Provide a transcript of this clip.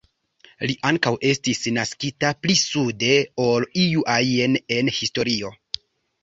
Li ankaŭ estis naskita pli sude ol iu ajn en historio.